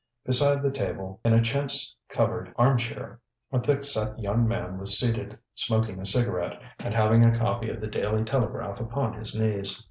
Beside the table, in a chintz covered arm chair, a thick set young man was seated smoking a cigarette and having a copy of the Daily Telegraph upon his knees.